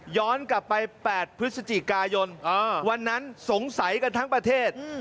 ย้อนกลับไป๘พฤศจิกายนวันนั้นสงสัยกันทั้งประเทศ